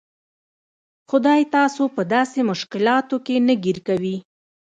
خدای تاسو په داسې مشکلاتو کې نه ګیر کوي.